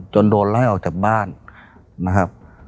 โดนไล่ออกจากบ้านนะครับ